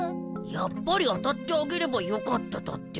やっぱり当たってあげればよかっただって？